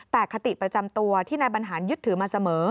แต่คติประจำตัวที่นายบรรหารยึดถือมาเสมอ